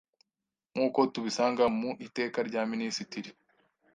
Nk’uko tubisanga mu Iteka rya Minisitiri